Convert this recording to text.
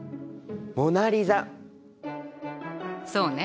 そうね。